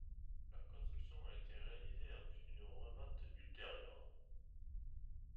La construction a été réalisée en vue d'une revente ultérieure.